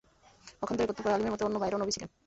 পক্ষান্তরে কতিপয় আলিমের মতে, অন্য ভাইরাও নবী ছিলেন।